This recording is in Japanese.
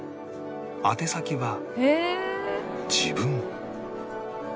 宛先は自分